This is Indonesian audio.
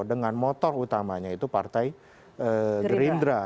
dengan motor utamanya itu partai gerindra